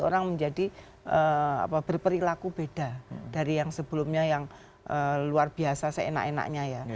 orang menjadi berperilaku beda dari yang sebelumnya yang luar biasa seenak enaknya ya